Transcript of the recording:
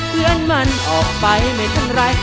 เพื่อนมันออกไปไม่เป็นไร